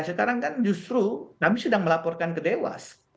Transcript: sekarang kan justru nabi sedang melaporkan ke dewas